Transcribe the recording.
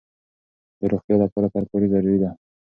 د روغتیا لپاره ترکاري ضروري ده.